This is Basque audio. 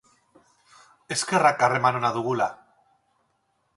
Eskerrak harreman ona dugula!